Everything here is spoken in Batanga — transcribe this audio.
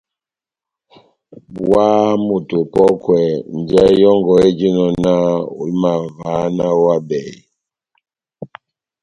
Óháháha moto opɔ́kwɛ njahɛ yɔngɔ éjinɔ náh ohimavaha náh ohábɛhe.